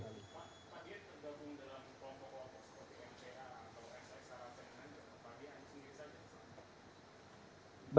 pak pak jien tergabung dalam pokok pokok seperti mca atau msi